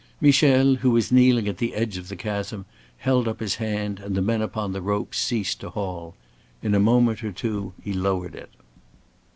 Michel, who was kneeling at the edge of the chasm, held up his hand, and the men upon the rope ceased to haul. In a minute or two he lowered it.